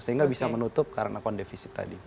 sehingga bisa menutup karena akun defisit tadi